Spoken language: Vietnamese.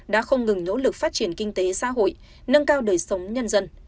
đã không ngừng nỗ lực phát triển kinh tế xã hội nâng cao đời sống nhân dân